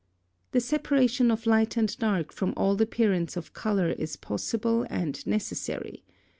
The separation of light and dark from all appearance of colour is possible and necessary.